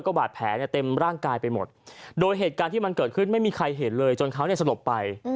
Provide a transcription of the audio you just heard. บาดแผลเนี่ยเต็มร่างกายไปหมดโดยเหตุการณ์ที่มันเกิดขึ้นไม่มีใครเห็นเลยจนเขาเนี่ยสลบไป